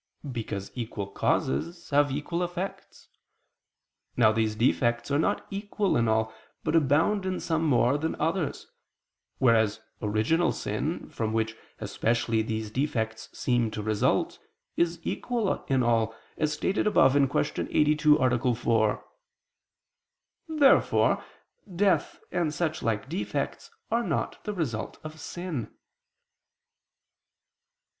Because equal causes have equal effects. Now these defects are not equal in all, but abound in some more than in others, whereas original sin, from which especially these defects seem to result, is equal in all, as stated above (Q. 82, A. 4). Therefore death and suchlike defects are not the result of sin.